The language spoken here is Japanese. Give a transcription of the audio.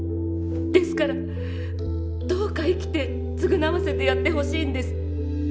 ですからどうか生きて償わせてやってほしいんです！